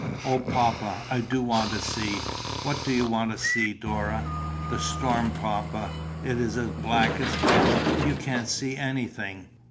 "O, papa! I do want to see." "What do you want to see, Dora?" "The storm, papa." "It is as black as pitch. You can't see anything."